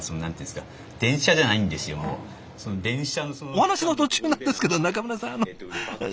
お話の途中なんですけど中村さんあの電車。